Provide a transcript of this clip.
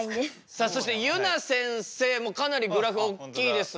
さあそしてゆなせんせいもかなりグラフおっきいですが。